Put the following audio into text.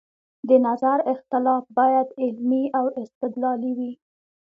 د نظر اختلاف باید علمي او استدلالي وي